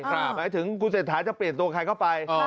หมายถึงกูเสร็จท้ายจะเปลี่ยนตัวใครเข้าไป